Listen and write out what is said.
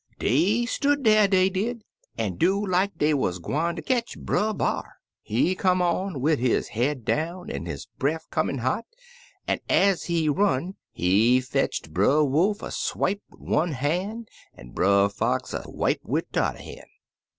Dey stood dar, dey did, an' do like dey wuz gwine ter ketch Brer B'an He come on wid his head down, an' his breff comin', hot, an' ez he run, he fetched Brer Wolf a swipe wid one han' an' Brer Fox a wipe wid t'er han'.